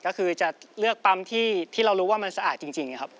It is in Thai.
ก็คือจะเลือกปั๊มที่เรารู้ว่ามันสะอาดจริงครับ